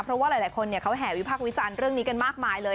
เพราะว่าหลายคนเขาแห่วิพากษ์วิจารณ์เรื่องนี้กันมากมายเลย